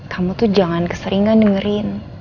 kamu tuh jangan keseringan dengerin